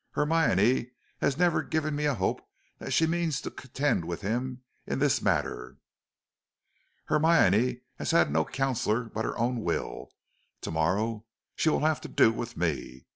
"Hermione has never given me a hope that she means to contend with him in this matter." "Hermione has had no counsellor but her own will. To morrow she will have to do with me.